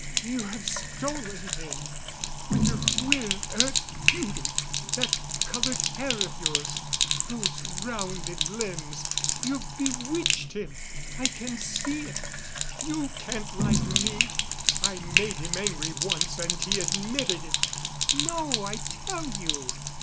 You have stolen him! With your queer Earth beauty that colored hair of yours those rounded limbs you've bewitched him! I can see it. You can't lie to me! I made him angry once and he admitted it." "No, I tell you!"